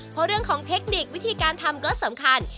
เพราะเรื่องของเทคนิควิธีการทำก็สำคัญ